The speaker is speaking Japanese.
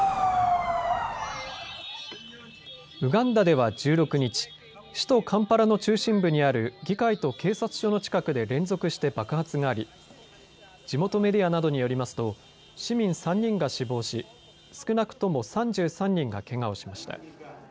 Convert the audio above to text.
ウガンダでは１６日、首都カンパラの中心部にある議会と警察署の近くで連続して爆発があり地元メディアなどによりますと市民３人が死亡し、少なくとも３３人がけがをしました。